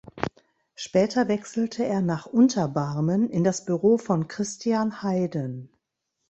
Später wechselte er nach Unterbarmen in das Büro von Christian Heyden.